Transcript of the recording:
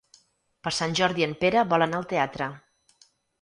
Per Sant Jordi en Pere vol anar al teatre.